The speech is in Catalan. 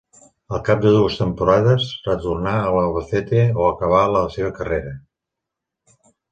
Al cap de dues temporades retornà a l'Albacete o acabà la seva carrera.